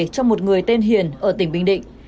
cho một người tên hiền ở tỉnh bình định